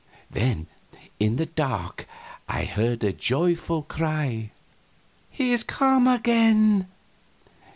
Then in the dark I heard a joyful cry: "He's come again!"